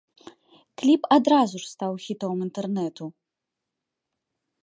Кліп адразу ж стаў хітом інтэрнэту.